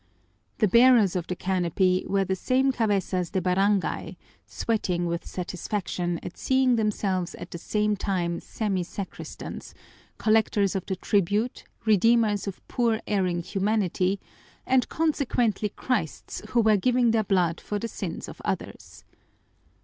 The bearers of the canopy were the same cabezas de barangay, sweating with satisfaction at seeing themselves at the same time semi sacristans, collectors of the tribute, redeemers of poor erring humanity, and consequently Christs who were giving their blood for the sins of others.